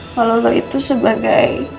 kalau lo itu sebagai